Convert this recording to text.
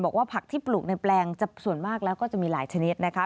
ผักที่ปลูกในแปลงส่วนมากแล้วก็จะมีหลายชนิดนะคะ